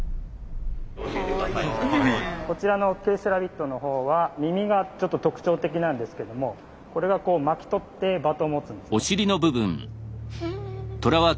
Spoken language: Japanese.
こちらのＫセラビットのほうは耳がちょっと特徴的なんですけどもこれがこう巻き取ってバトンを持つんですね。